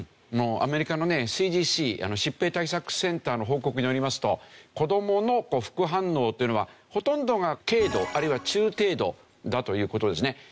もうアメリカのねＣＤＣ疾病対策センターの報告によりますと子どもの副反応というのはほとんどが軽度あるいは中程度だという事ですね。